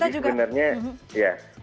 jadi sebenarnya ya